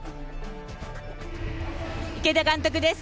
池田監督です。